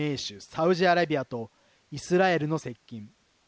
サウジアラビアとイスラエルの接近。